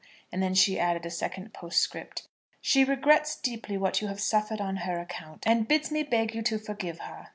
And then she added a second postscript. She regrets deeply what you have suffered on her account, and bids me beg you to forgive her.